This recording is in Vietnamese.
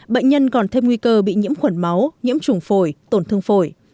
bệnh nhân còn thêm nguy cơ bị nhiễm khuẩn máu nhiễm trùng phổi tổn thương phổi